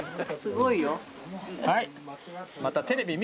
はい。